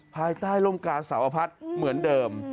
ภายใต้ร่มกาสาวอพัฒน์เหมือนเดิม